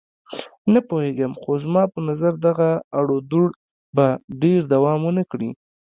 نه پوهېږم، خو زما په نظر دغه اړودوړ به تر ډېره دوام ونه کړي.